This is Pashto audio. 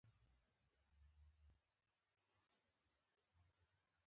تر کره کتنې لاندې اثر: طبقاتي شعور او پښتو